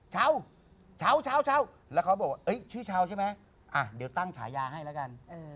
แล้วเขาบอกว่าเฮ้ยชื่อชาวใช่ไหมเดี๋ยวตั้งฉายาให้แล้วกัน